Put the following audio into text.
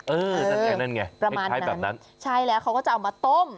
เออแบบนั้นไงประมาณนั้นใช่แล้วเขาก็จะเอามาต้ม